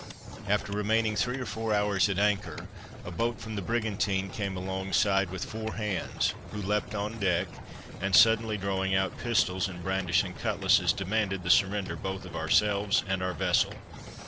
After remaining three or four hours at anchor, a boat from the brigantine came alongside, with four hands, who leapt on deck, and suddenly drawing out pistols, and brandishing cutlasses, demanded the surrender both of ourselves and our vessel.